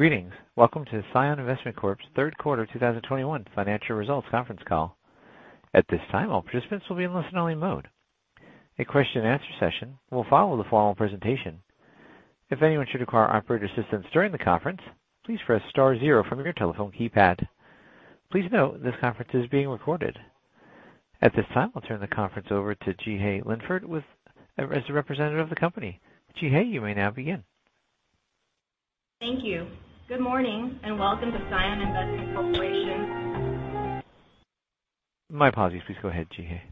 Greetings. Welcome to CION Investment Corporation's Q3 2021 Financial Results Conference call. At this time, all participants will be in listen-only mode. A question-and-answer session will follow the formal presentation. If anyone should require operator assistance during the conference, please press star zero from your telephone keypad. Please note this conference is being recorded. At this time, I'll turn the conference over to Jeehae Linford as the representative of the company. Jeehae, you may now begin. Thank you. Good morning, and welcome to CION Investment Corporation. My apologies. Please go ahead, Jeehae.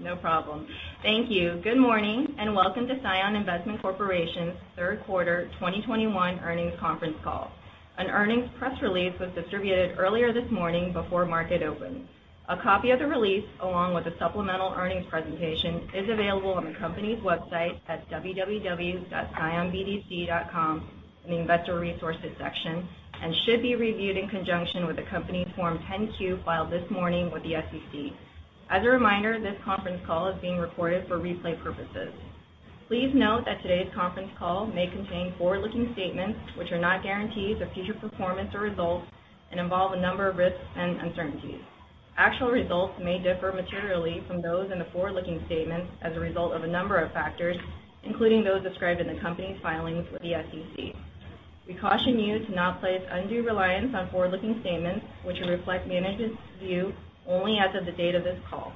No problem. Thank you. Good morning, and welcome to CION Investment Corporation's Q3 2021 Earnings Conference Call. An earnings press release was distributed earlier this morning before market open. A copy of the release, along with the supplemental earnings presentation, is available on the company's website at www.cionbdc.com in the Investor Resources section and should be reviewed in conjunction with the company's Form 10-Q filed this morning with the SEC. As a reminder, this conference call is being recorded for replay purposes. Please note that today's conference call may contain forward-looking statements, which are not guarantees of future performance or results and involve a number of risks and uncertainties. Actual results may differ materially from those in the forward-looking statements as a result of a number of factors, including those described in the company's filings with the SEC. We caution you to not place undue reliance on forward-looking statements, which reflect management's view only as of the date of this call.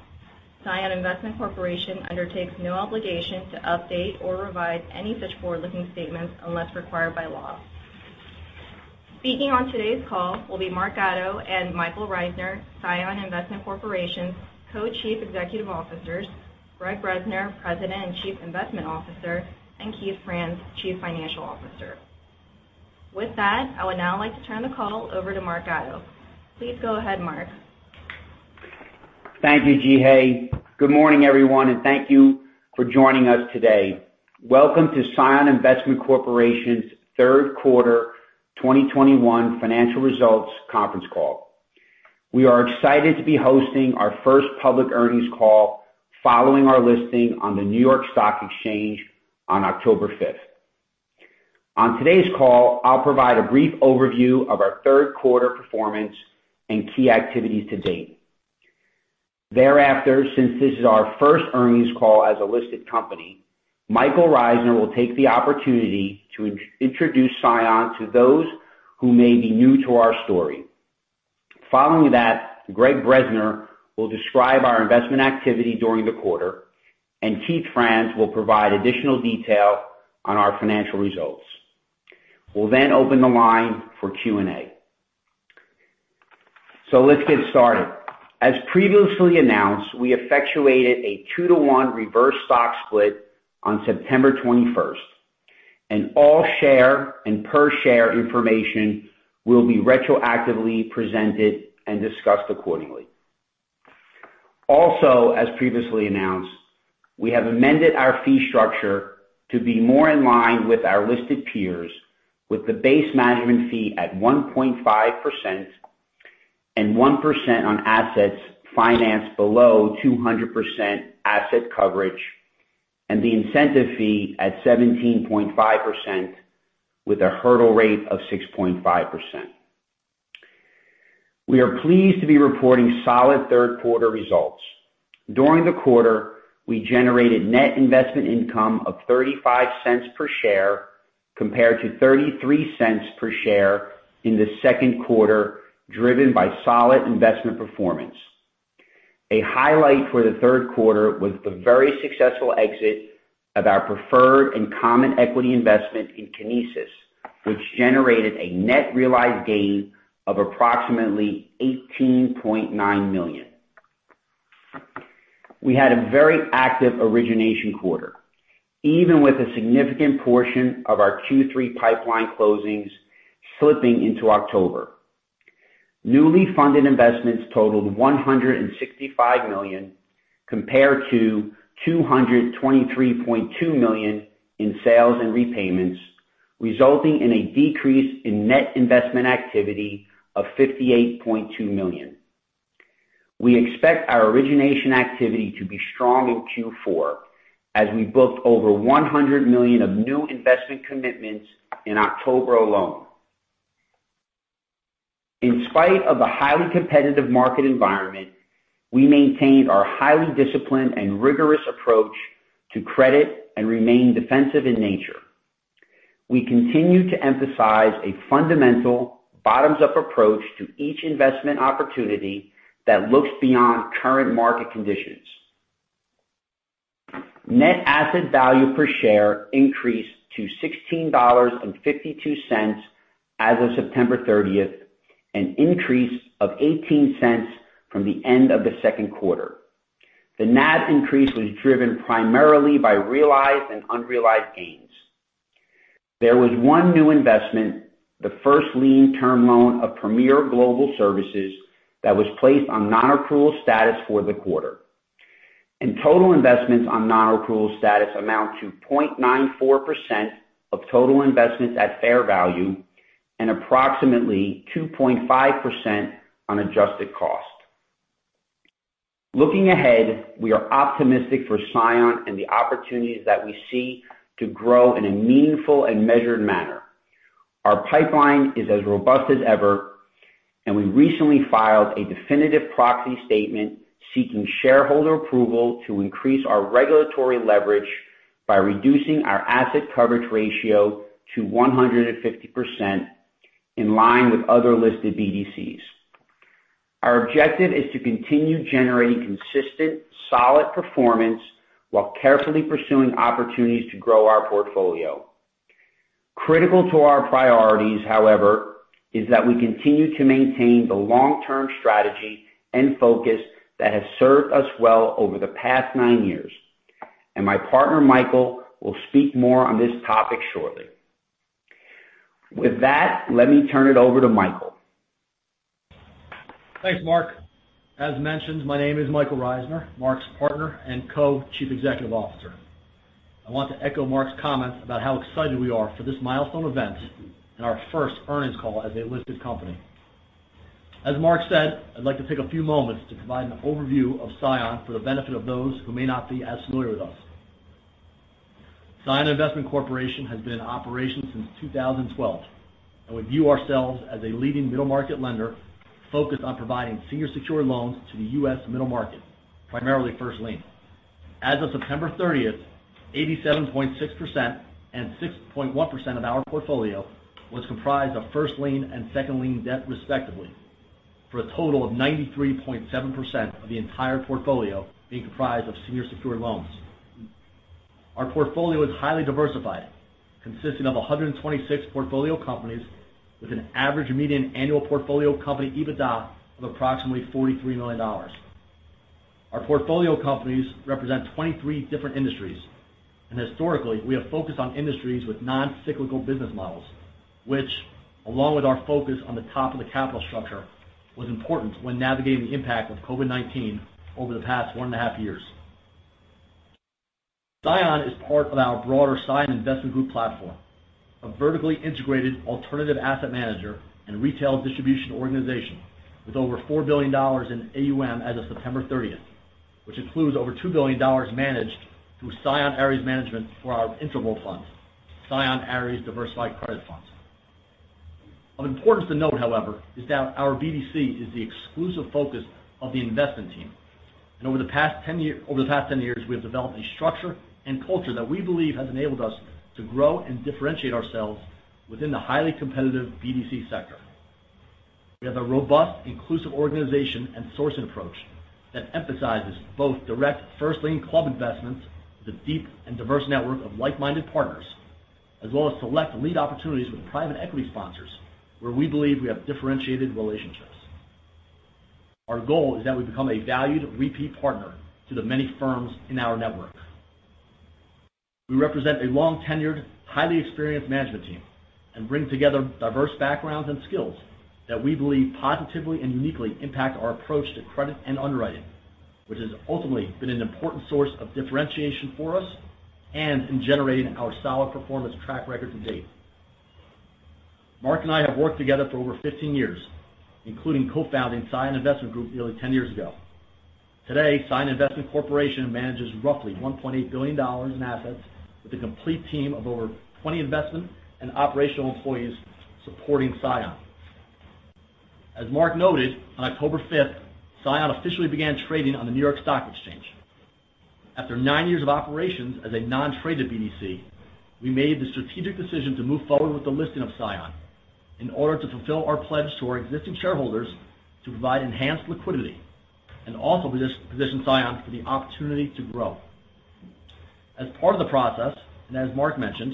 CION Investment Corporation undertakes no obligation to update or revise any such forward-looking statements unless required by law. Speaking on today's call will be Mark Gatto and Michael Reisner, CION Investment Corporation's Co-Chief Executive Officers, Gregg Bresner, President and Chief Investment Officer, and Keith Franz, Chief Financial Officer. With that, I would now like to turn the call over to Mark Gatto. Please go ahead, Mark. Thank you, Jeehae. Good morning, everyone, and thank you for joining us today. Welcome to CION Investment Corporation's Q3 2021 financial results conference call. We are excited to be hosting our first public earnings call following our listing on the New York Stock Exchange on October 5. On today's call, I'll provide a brief overview of our Q3 performance and key activities to date. Thereafter, since this is our first earnings call as a listed company, Michael Reisner will take the opportunity to introduce CION to those who may be new to our story. Following that, Gregg Bresner will describe our investment activity during the quarter, and Keith Franz will provide additional detail on our financial results. We'll then open the line for Q&A. Let's get started. As previously announced, we effectuated a two-to-one reverse stock split on September 21, and all share and per share information will be retroactively presented and discussed accordingly. Also, as previously announced, we have amended our fee structure to be more in line with our listed peers with the base management fee at 1.5% and 1% on assets financed below 200% asset coverage and the incentive fee at 17.5% with a hurdle rate of 6.5%. We are pleased to be reporting solid Q3 results. During the quarter, we generated net investment income of $0.35 per share compared to $0.33 per share in the Q2, driven by solid investment performance. A highlight for the Q3 was the very successful exit of our preferred and common equity investment in Kinesis, which generated a net realized gain of approximately $18.9 million. We had a very active origination quarter, even with a significant portion of our Q3 pipeline closings slipping into October. Newly funded investments totaled $165 million, compared to $223.2 million in sales and repayments, resulting in a decrease in net investment activity of $58.2 million. We expect our origination activity to be strong in Q4 as we booked over $100 million of new investment commitments in October alone. In spite of the highly competitive market environment, we maintained our highly disciplined and rigorous approach to credit and remain defensive in nature. We continue to emphasize a fundamental bottoms-up approach to each investment opportunity that looks beyond current market conditions. Net asset value per share increased to $16.52 as of September 30, an increase of $0.18 from the end of the Q2. The NAV increase was driven primarily by realized and unrealized gains. There was one new investment, the first lien term loan of Premiere Global Services, that was placed on non-accrual status for the quarter. Total investments on non-accrual status amount to 0.94% of total investments at fair value and approximately 2.5% on adjusted cost. Looking ahead, we are optimistic for CION and the opportunities that we see to grow in a meaningful and measured manner. Our pipeline is as robust as ever, and we recently filed a definitive proxy statement seeking shareholder approval to increase our regulatory leverage by reducing our asset coverage ratio to 150% in line with other listed BDCs. Our objective is to continue generating consistent, solid performance while carefully pursuing opportunities to grow our portfolio. Critical to our priorities, however, is that we continue to maintain the long-term strategy and focus that has served us well over the past nine years. My partner, Michael, will speak more on this topic shortly. With that, let me turn it over to Michael. Thanks, Mark. As mentioned, my name is Michael Reisner, Mark's partner and Co-Chief Executive Officer. I want to echo Mark's comments about how excited we are for this milestone event and our first earnings call as a listed company. As Mark said, I'd like to take a few moments to provide an overview of CION for the benefit of those who may not be as familiar with us. CION Investment Corporation has been in operation since 2012, and we view ourselves as a leading middle-market lender focused on providing senior secured loans to the U.S. middle market, primarily first lien. As of September 30, 87.6% and 6.1% of our portfolio was comprised of first lien and second lien debt, respectively, for a total of 93.7% of the entire portfolio being comprised of senior secured loans. Our portfolio is highly diversified, consisting of 126 portfolio companies with an average median annual portfolio company EBITDA of approximately $43 million. Our portfolio companies represent 23 different industries, and historically, we have focused on industries with non-cyclical business models, which, along with our focus on the top of the capital structure, was important when navigating the impact of COVID-19 over the past one and half years. CION is part of our broader CION Investment Group platform, a vertically integrated alternative asset manager and retail distribution organization with over $4 billion in AUM as of September 30, which includes over $2 billion managed through CION Ares Management for our interval funds, CION Ares Diversified Credit Funds. Of importance to note, however, is that our BDC is the exclusive focus of the investment team. Over the past 10 years, we have developed a structure and culture that we believe has enabled us to grow and differentiate ourselves within the highly competitive BDC sector. We have a robust, inclusive organization and sourcing approach that emphasizes both direct first lien club investments with a deep and diverse network of like-minded partners, as well as select lead opportunities with private equity sponsors where we believe we have differentiated relationships. Our goal is that we become a valued repeat partner to the many firms in our network. We represent a long-tenured, highly experienced management team and bring together diverse backgrounds and skills that we believe positively and uniquely impact our approach to credit and underwriting, which has ultimately been an important source of differentiation for us and in generating our solid performance track record to date. Mark and I have worked together for over 15 years, including co-founding CION Investment Group nearly 10 years ago. Today, CION Investment Corporation manages roughly $1.8 billion in assets with a complete team of over 20 investment and operational employees supporting CION. As Mark noted, on October 5, CION officially began trading on the New York Stock Exchange. After nine years of operations as a non-traded BDC, we made the strategic decision to move forward with the listing of CION in order to fulfill our pledge to our existing shareholders to provide enhanced liquidity and also position CION for the opportunity to grow. As part of the process, and as Mark mentioned,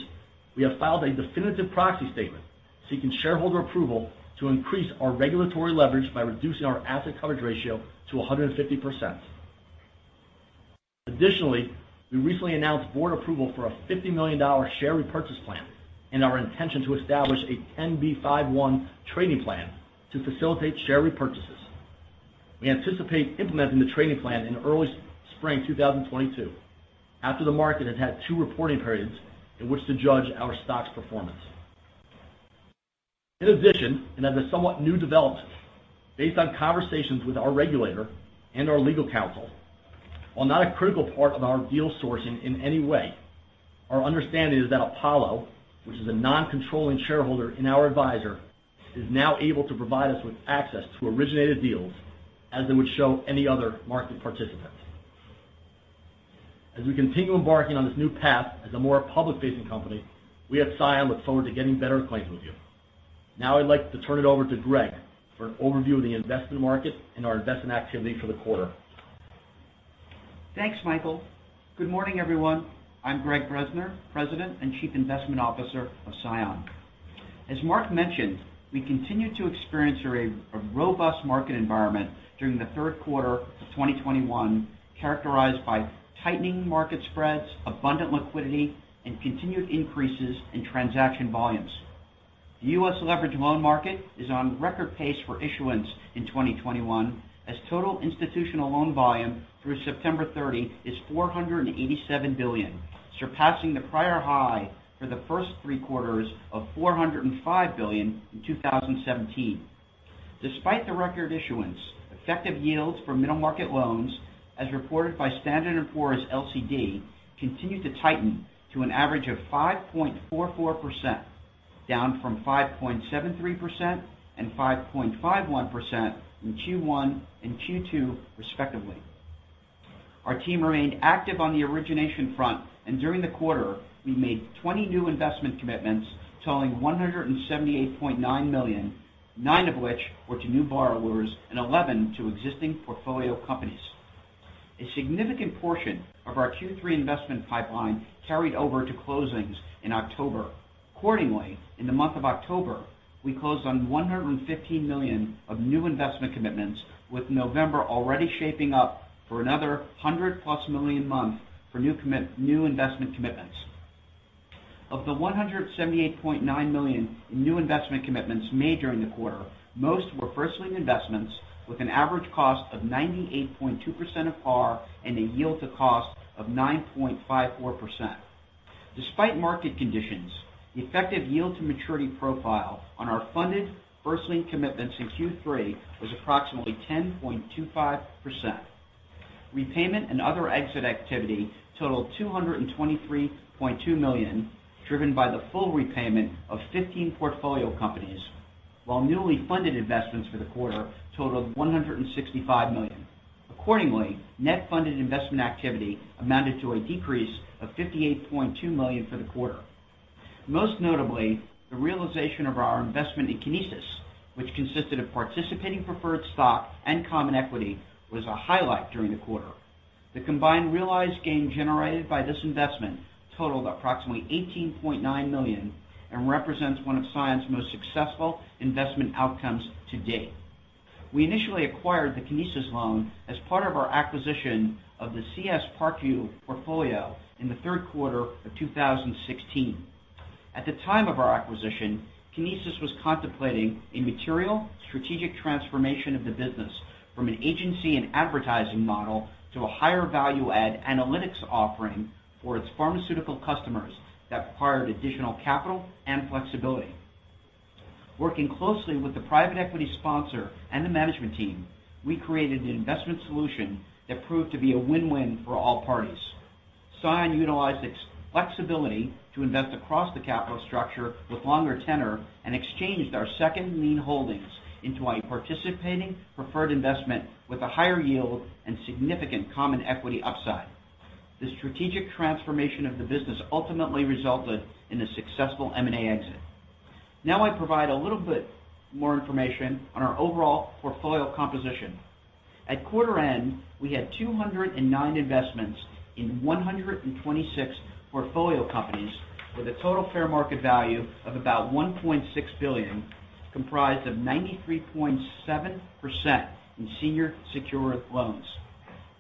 we have filed a definitive proxy statement seeking shareholder approval to increase our regulatory leverage by reducing our asset coverage ratio to 150%. Additionally, we recently announced board approval for a $50 million share repurchase plan and our intention to establish a 10b5-1 trading plan to facilitate share repurchases. We anticipate implementing the trading plan in early spring 2022 after the market has had two reporting periods in which to judge our stock's performance. In addition, as a somewhat new development based on conversations with our regulator and our legal counsel, while not a critical part of our deal sourcing in any way, our understanding is that Apollo, which is a non-controlling shareholder in our advisor, is now able to provide us with access to originated deals as it would show any other market participant. As we continue embarking on this new path as a more public-facing company, we at CION look forward to getting better acquainted with you. Now, I'd like to turn it over to Greg for an overview of the investment market and our investment activity for the quarter. Thanks, Michael. Good morning, everyone. I'm Gregg Bresner, President and Chief Investment Officer of CION. As Mark mentioned, we continued to experience a robust market environment during the third quarter of 2021, characterized by tightening market spreads, abundant liquidity, and continued increases in transaction volumes. The U.S. leveraged loan market is on record pace for issuance in 2021, as total institutional loan volume through September 30 is $487 billion. Surpassing the prior high for the first three quarters of $405 billion in 2017. Despite the record issuance, effective yields for middle-market loans, as reported by S&P LCD, continued to tighten to an average of 5.44%, down from 5.73% and 5.51% in Q1 and Q2, respectively. Our team remained active on the origination front, and during the quarter, we made 20 new investment commitments totaling $178.9 million, nine of which were to new borrowers and eleven to existing portfolio companies. A significant portion of our Q3 investment pipeline carried over to closings in October. Accordingly, in the month of October, we closed on $115 million of new investment commitments, with November already shaping up for another 100+ million month for new investment commitments. Of the $178.9 million in new investment commitments made during the quarter, most were first lien investments with an average cost of 98.2% of par and a yield to cost of 9.54%. Despite market conditions, the effective yield to maturity profile on our funded first lien commitments in Q3 was approximately 10.25%. Repayment and other exit activity totaled $223.2 million, driven by the full repayment of 15 portfolio companies, while newly funded investments for the quarter totaled $165 million. Accordingly, net funded investment activity amounted to a decrease of $58.2 million for the quarter. Most notably, the realization of our investment in Kinesis, which consisted of participating preferred stock and common equity, was a highlight during the quarter. The combined realized gain generated by this investment totaled approximately $18.9 million and represents one of CION's most successful investment outcomes to date. We initially acquired the Kinesis loan as part of our acquisition of the CS Park View portfolio in the Q3 of 2016. At the time of our acquisition, Kinesis was contemplating a material strategic transformation of the business from an agency and advertising model to a higher value add analytics offering for its pharmaceutical customers that required additional capital and flexibility. Working closely with the private equity sponsor and the management team, we created an investment solution that proved to be a win-win for all parties. CION utilized its flexibility to invest across the capital structure with longer tenure and exchanged our second lien holdings into a participating preferred investment with a higher yield and significant common equity upside. The strategic transformation of the business ultimately resulted in a successful M&A exit. Now I provide a little bit more information on our overall portfolio composition. At quarter end, we had 209 investments in 126 portfolio companies with a total fair market value of about $1.6 billion, comprised of 93.7% in senior secured loans.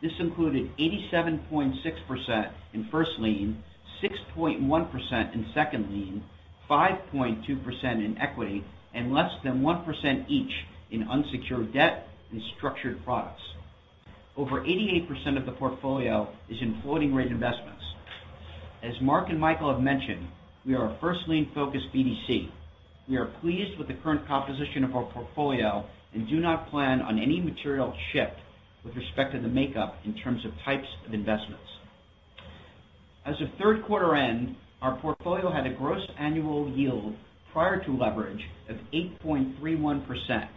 This included 87.6% in first lien, 6.1% in second lien, 5.2% in equity, and less than 1% each in unsecured debt and structured products. Over 88% of the portfolio is in floating rate investments. As Marc and Michael have mentioned, we are a first lien focused BDC. We are pleased with the current composition of our portfolio and do not plan on any material shift with respect to the makeup in terms of types of investments. As of Q3 end, our portfolio had a gross annual yield prior to leverage of 8.31%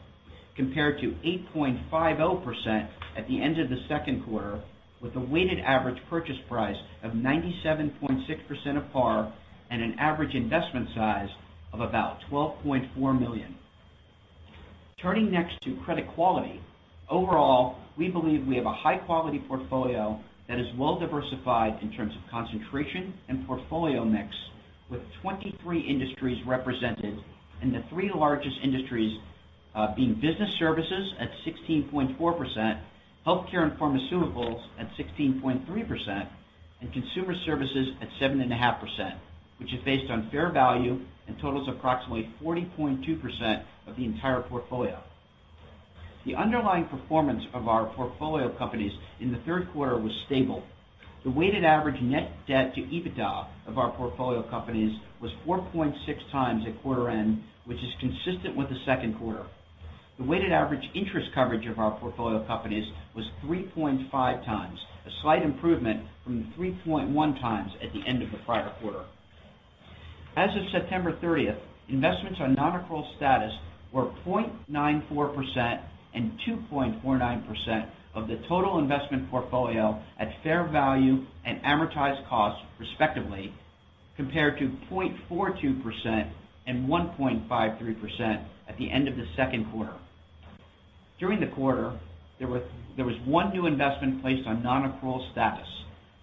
compared to 8.50% at the end of the Q2, with a weighted average purchase price of 97.6% of par and an average investment size of about $12.4 million. Turning next to credit quality. Overall, we believe we have a high-quality portfolio that is well diversified in terms of concentration and portfolio mix, with 23 industries represented and the three largest industries being business services at 16.4%, healthcare and pharmaceuticals at 16.3%, and consumer services at 7.5%, which is based on fair value and totals approximately 40.2% of the entire portfolio. The underlying performance of our portfolio companies in the Q3 was stable. The weighted average net debt to EBITDA of our portfolio companies was 4.6x at quarter end, which is consistent with the Q2. The weighted average interest coverage of our portfolio companies was 3.5x, a slight improvement from the 3.1x at the end of the prior quarter. As of September 30th, investments on non-accrual status were 0.94% and 2.49% of the total investment portfolio at fair value and amortized costs, respectively, compared to 0.42% and 1.53% at the end of the Q2. During the quarter, there was one new investment placed on non-accrual status.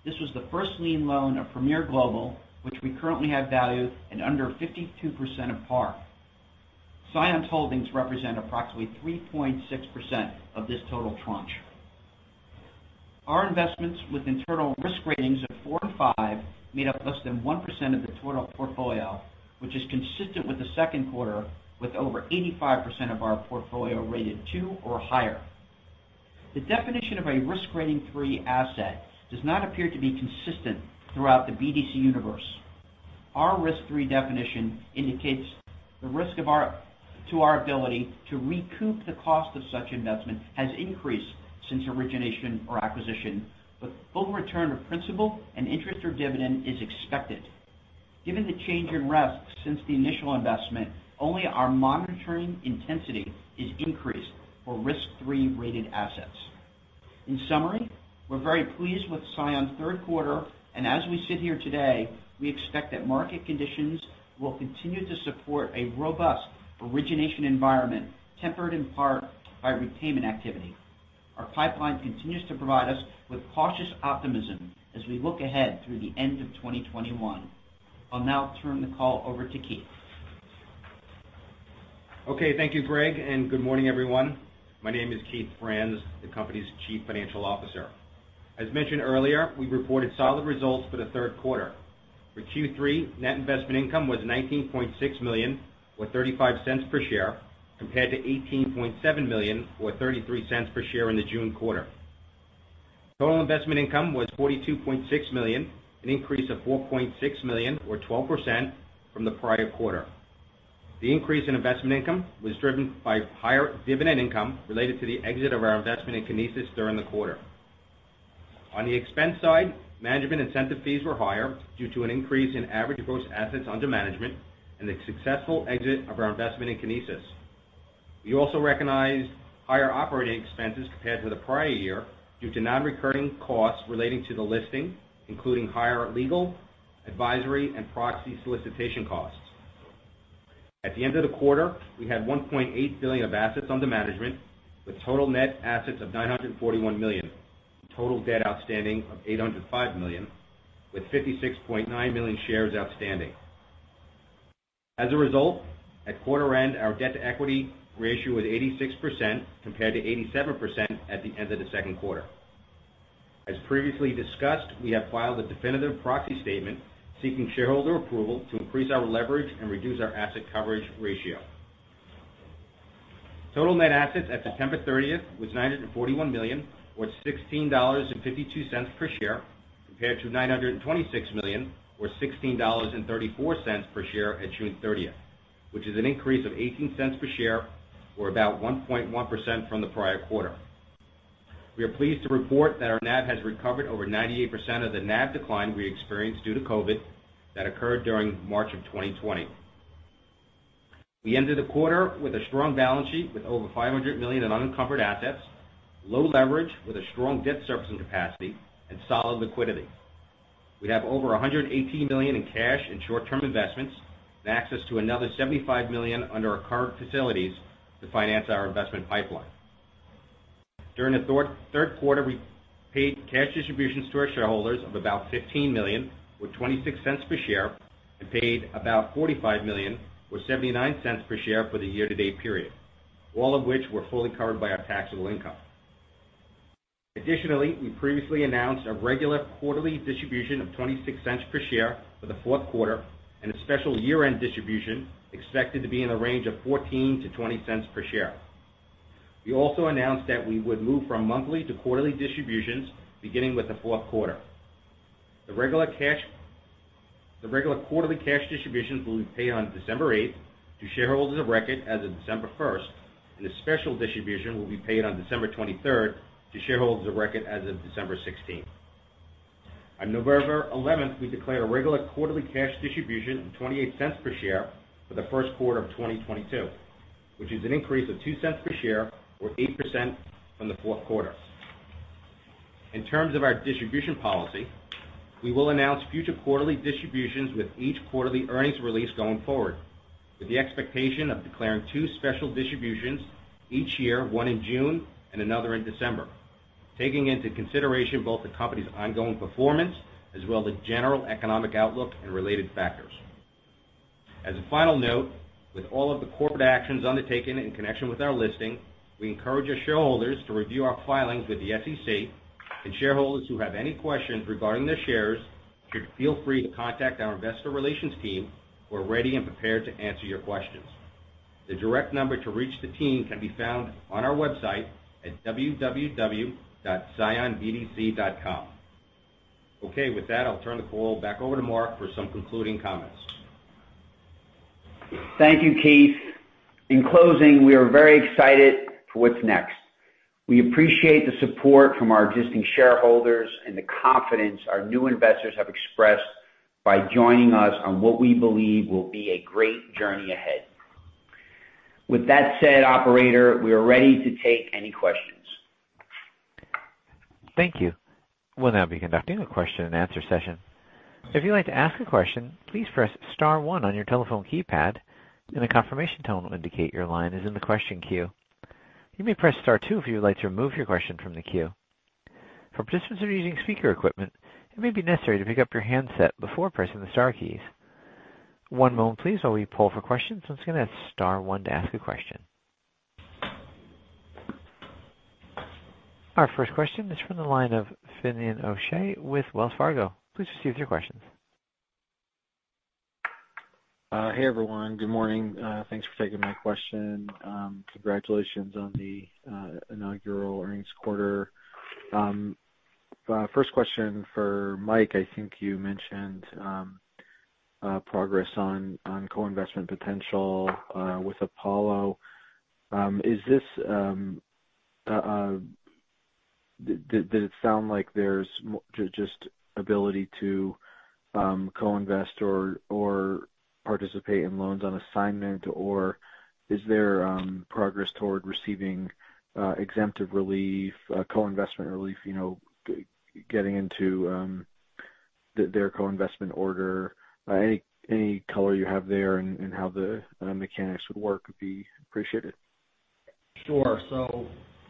This was the first lien loan of Premiere Global, which we currently have valued at under 52% of par. CION's holdings represent approximately 3.6% of this total tranche. Our investments with internal risk ratings of four and five made up less than 1% of the total portfolio, which is consistent with the Q2, with over 85% of our portfolio rated two or higher. The definition of a risk rating three asset does not appear to be consistent throughout the BDC universe. Our risk rating definition indicates the risk to our ability to recoup the cost of such investment has increased since origination or acquisition, but full return of principal and interest or dividend is expected. Given the change in risk since the initial investment, only our monitoring intensity is increased for risk three rated assets. In summary, we're very pleased with CION Q3, and as we sit here today, we expect that market conditions will continue to support a robust origination environment, tempered in part by repayment activity. Our pipeline continues to provide us with cautious optimism as we look ahead through the end of 2021. I'll now turn the call over to Keith. Okay, thank you, Gregg, and good morning, everyone. My name is Keith Franz, the company's Chief Financial Officer. As mentioned earlier, we reported solid results for the Q3. For Q3, net investment income was $19.6 million, or $0.35 per share, compared to $18.7 million, or $0.33 per share in the June quarter. Total investment income was $42.6 million, an increase of $4.6 million or 12% from the prior quarter. The increase in investment income was driven by higher dividend income related to the exit of our investment in Kinesis during the quarter. On the expense side, management incentive fees were higher due to an increase in average gross assets under management and the successful exit of our investment in Kinesis. We also recognized higher operating expenses compared to the prior year due to non-recurring costs relating to the listing, including higher legal, advisory, and proxy solicitation costs. At the end of the quarter, we had $1.8 billion of assets under management with total net assets of $941 million, total debt outstanding of $805 million, with 56.9 million shares outstanding. As a result, at quarter end, our debt to equity ratio was 86% compared to 87% at the end of the Q2. As previously discussed, we have filed a definitive proxy statement seeking shareholder approval to increase our leverage and reduce our asset coverage ratio. Total net assets at September 30 was $941 million or $16.52 per share, compared to $926 million or $16.34 per share at June 30, which is an increase of $0.18 per share or about 1.1% from the prior quarter. We are pleased to report that our NAV has recovered over 98% of the NAV decline we experienced due to COVID-19 that occurred during March 2020. We ended the quarter with a strong balance sheet with over $500 million in unencumbered assets, low leverage with a strong debt servicing capacity and solid liquidity. We'd have over $118 million in cash and short-term investments and access to another $75 million under our current facilities to finance our investment pipeline. During the Q3, we paid cash distributions to our shareholders of about $15 million, with $0.26 per share, and paid about $45 million or $0.79 per share for the year to date period, all of which were fully covered by our taxable income. Additionally, we previously announced a regular quarterly distribution of $0.26 per share for the Q4 and a special year-end distribution expected to be in the range of $0.14-$0.20 per share. We also announced that we would move from monthly to quarterly distributions beginning with the Q4. The regular quarterly cash distributions will be paid on December 8 to shareholders of record as of December 1, and a special distribution will be paid on December 23 to shareholders of record as of December 16. On November 11, we declared a regular quarterly cash distribution of $0.28 per share for the Q1 of 2022, which is an increase of $0.02 per share or 8% from the Q4. In terms of our distribution policy, we will announce future quarterly distributions with each quarterly earnings release going forward, with the expectation of declaring two special distributions each year, one in June and another in December, taking into consideration both the company's ongoing performance as well the general economic outlook and related factors. As a final note, with all of the corporate actions undertaken in connection with our listing, we encourage our shareholders to review our filings with the SEC, and shareholders who have any questions regarding their shares should feel free to contact our investor relations team who are ready and prepared to answer your questions. The direct number to reach the team can be found on our website at www.cionbdc.com. Okay. With that, I'll turn the call back over to Mark for some concluding comments. Thank you, Keith. In closing, we are very excited for what's next. We appreciate the support from our existing shareholders and the confidence our new investors have expressed by joining us on what we believe will be a great journey ahead. With that said, operator, we are ready to take any questions. Thank you. We'll now be conducting a question and answer session. If you'd like to ask a question, please press star one on your telephone keypad and a confirmation tone will indicate your line is in the question queue. You may press star two if you would like to remove your question from the queue. For participants who are using speaker equipment, it may be necessary to pick up your handset before pressing the star keys. One moment please while we pull for questions. Once again, that's star one to ask a question. Our first question is from the line of Finian O'Shea with Wells Fargo. Please proceed with your questions. Hey, everyone. Good morning. Thanks for taking my question. Congratulations on the inaugural earnings quarter. First question for Mike. I think you mentioned progress on co-investment potential with Apollo. Did it sound like there's just ability to co-invest or participate in loans on assignment? Or is there progress toward receiving exemptive relief, co-investment relief, you know, getting into their co-investment order? Any color you have there and how the mechanics would work would be appreciated. Sure.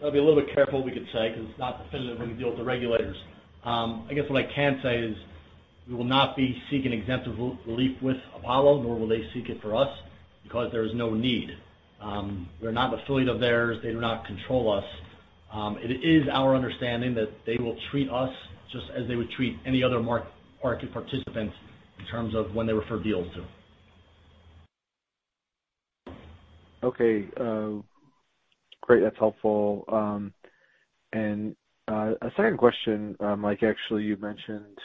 I'll be a little bit careful what we could say because it's not definitive when you deal with the regulators. I guess what I can say is we will not be seeking exemptive relief with Apollo, nor will they seek it for us because there is no need. We're not an affiliate of theirs. They do not control us. It is our understanding that they will treat us just as they would treat any other market participant in terms of when they refer deals to. Okay. Great. That's helpful. And a second question, Mike, actually, you mentioned,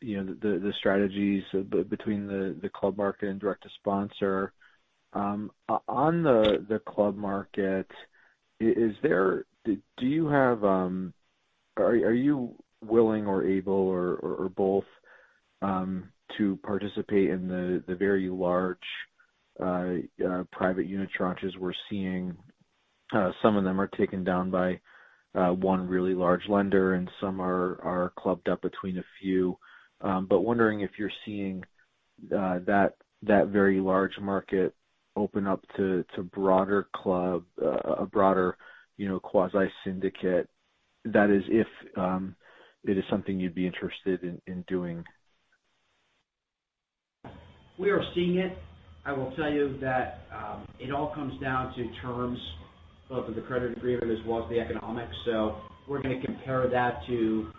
you know, the strategies between the club market and direct-to-sponsor. On the club market, is there... do you have... Are you willing or able or both to participate in the very large private unitranches we're seeing? Some of them are taken down by one really large lender, and some are clubbed up between a few. But wondering if you're seeing that very large market open up to a broader club, a broader, you know, quasi syndicate. That is, if it is something you'd be interested in doing. We are seeing it. I will tell you that, it all comes down to terms both of the credit agreement as well as the economics. We're going to compare that to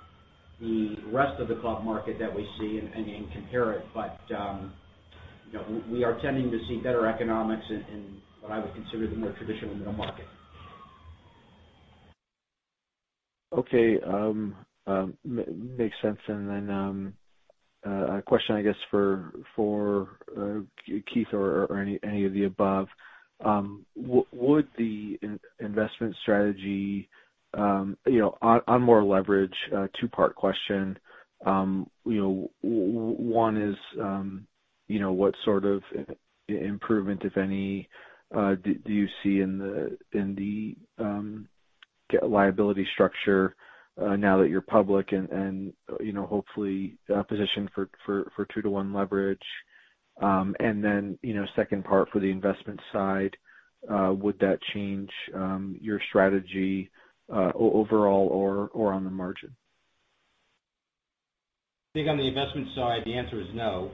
the rest of the club market that we see and compare it. You know, we are tending to see better economics in what I would consider the more traditional middle market. Okay. Makes sense. A question, I guess, for Keith or any of the above. Would the investment strategy, you know, on more leverage, a two-part question. You know, one is, you know, what sort of improvement, if any, do you see in the liability structure, now that you're public and, you know, hopefully, positioned for two-to-one leverage? You know, second part for the investment side, would that change your strategy, overall or on the margin? I think on the investment side, the answer is no.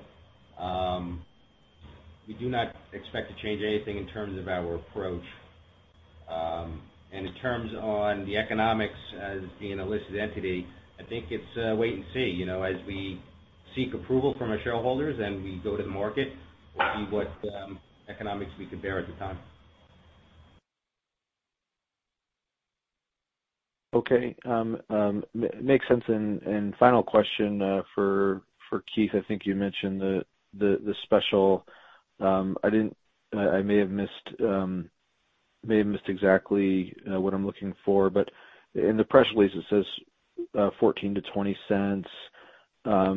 We do not expect to change anything in terms of our approach. In terms of the economics as being a listed entity, I think it's wait and see. You know, as we seek approval from our shareholders and we go to the market, we'll see what economics we can bear at the time. Okay. Makes sense. Final question for Keith. I think you mentioned the special. I may have missed exactly what I'm looking for, but in the press release it says $0.14-$0.20,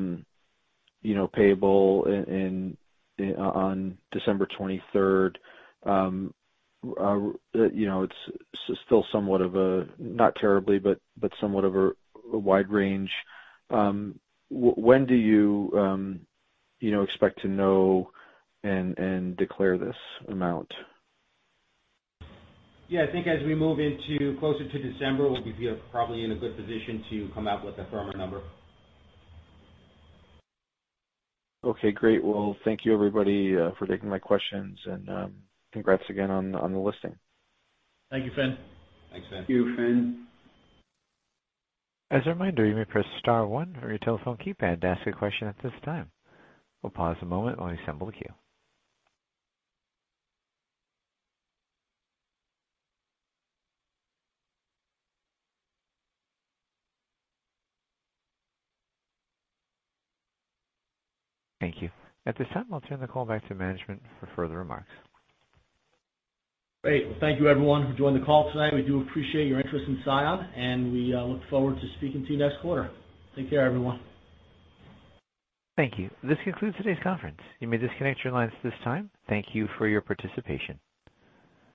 you know, payable on December twenty-third. You know, it's still somewhat of a, not terribly, but somewhat of a wide range. When do you expect to know and declare this amount? Yeah. I think as we move into closer to December, we'll be probably in a good position to come out with a firmer number. Okay, great. Well, thank you, everybody, for taking my questions, and congrats again on the listing. Thank you, Finn. Thanks, Finn. Thank you, Finn. As a reminder, you may press star one on your telephone keypad to ask a question at this time. We'll pause a moment while we assemble the queue. Thank you. At this time, I'll turn the call back to management for further remarks. Great. Well, thank you everyone for joining the call tonight. We do appreciate your interest in CION, and we look forward to speaking to you next quarter. Take care, everyone. Thank you. This concludes today's conference. You may disconnect your lines at this time. Thank you for your participation.